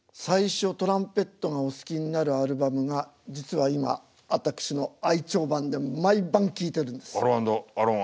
最初トランペットがお好きになるアルバムが実は今私の愛聴盤で毎晩聴いてるんです。